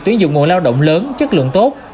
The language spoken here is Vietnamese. tuyến dụng nguồn lao động lớn chất lượng tốt